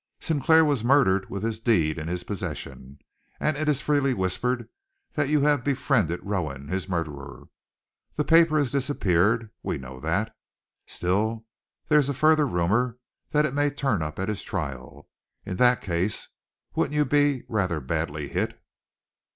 Sinclair was murdered with this deed in his possession, and it is freely whispered that you have befriended Rowan his murderer. The paper has disappeared. We know that. Still, there is a further rumor that it may turn up at his trial. In that case, wouldn't you be rather badly hit?"